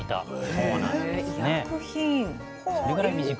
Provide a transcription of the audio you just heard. そうなんです。